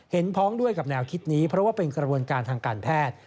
พ้องด้วยกับแนวคิดนี้เพราะว่าเป็นกระบวนการทางการแพทย์